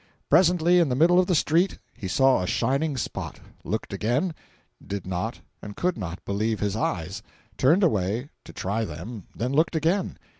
Presently, in the middle of the street he saw a shining spot—looked again—did not, and could not, believe his eyes—turned away, to try them, then looked again.